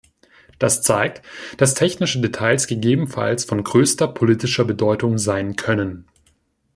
Das zeigt, dass technische Details gegebenenfalls von größter politischer Bedeutung sein können.